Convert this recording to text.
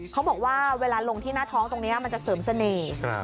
เขาบอกว่าเวลาลงที่หน้าท้องตรงนี้มันจะเสริมเสน่ห์